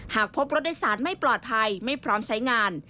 หากพบรถโดยสารไม่ปลอดภัยไม่พร้อมใช้งาน